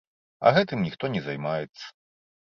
А гэтым ніхто не займаецца.